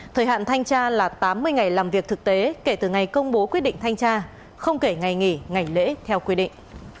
thời hạn thanh tra là tám mươi ngày làm việc thực tế kể từ ngày công bố quyết định thanh tra không kể ngày nghỉ ngày lễ theo quy định